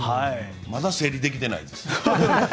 まだ整理できていないです。